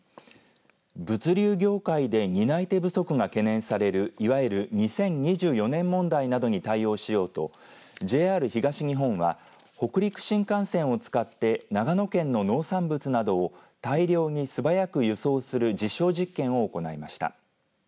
物流業界で担い手不足が懸念されるいわゆる２０２４年問題などに対応しようとＪＲ東日本は北陸新幹線を使って長野県の農産物などを大量に素早く郵送する実証実験を行いました。